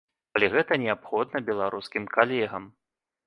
Калі гэта неабходна беларускім калегам.